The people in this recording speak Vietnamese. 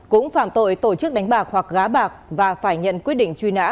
cũng phạm tội tổ chức đánh bạc hoặc gá bạc và phải nhận quyết định truy nã